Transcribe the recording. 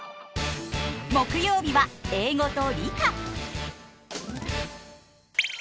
木曜日は英語と理科。